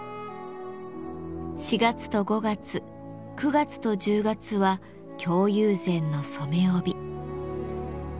４月と５月９月と１０月は京友禅の染め帯。